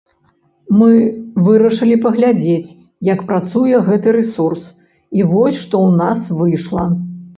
Мы вырашылі паглядзець, як працуе гэты рэсурс, і вось што ў нас выйшла.